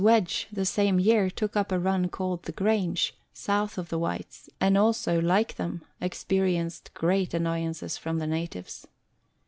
Wedge, the same year, took up a run called the Grange, south of the Whytes ; and also, like them, experienced great annoyances from the natives.